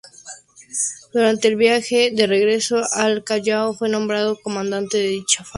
Durante el viaje de regreso al Callao, fue nombrado comandante de dicha barca.